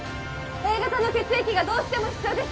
Ａ型の血液がどうしても必要です